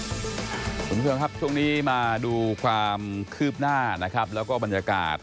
ผู้เป็นเครื่องครับช่วงนี้มาดูความคืบหน้าแล้วก็บรรยากาศ